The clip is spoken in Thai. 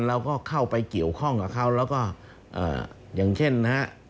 เราก็เข้าไปเกี่ยวข้องกับเขาแล้วก็อย่างเช่นนะฮะ